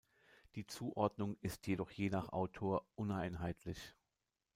Die Zuordnung ist jedoch je nach Autor uneinheitlich.